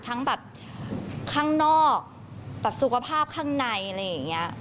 ทั้งแบบข้างนอกแบบสุขภาพข้างในอะไรอย่างนี้